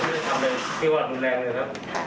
ผมไม่ได้ทำอะไรที่ว่าหนุนแรงเลยครับ